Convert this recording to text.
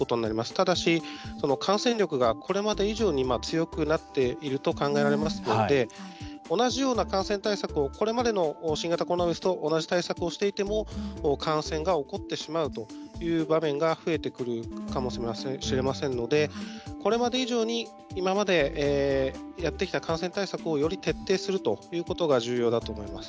ただし、感染力がこれまで以上に強くなっていると考えられるので同じような感染対策をこれまでの新型コロナウイルスと同じ対策をしていても感染が起こってしまうという場面が増えてくる可能性があるかもしれませんのでこれまで以上に今までやってきた感染対策をより徹底することが重要だと思います。